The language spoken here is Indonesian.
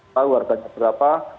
tahu warganya berapa